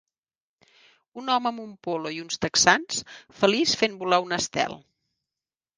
Un home amb un polo i uns texans feliç fent volar un estel.